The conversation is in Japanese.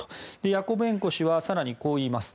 ヤコベンコ氏は更にこう言います。